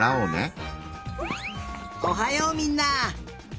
おはようみんな！